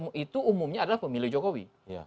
pemilih itu umumnya adalah pemilih jokowi